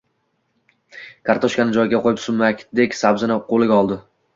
Kartoshkani joyiga qo‘yib, sumakdek sabzini qo‘liga oldi